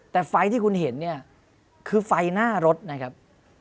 แต่ไฟที่คุณเห็นเนี่ยคือไฟหน้ารถนะครับ